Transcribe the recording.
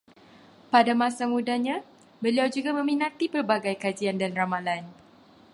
Pada masa mudanya, beliau juga meminati pelbagai kajian dan ramalan